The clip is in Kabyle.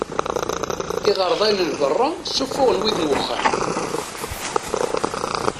Iɣerdayen n berra ssufɣen wid n uxxam.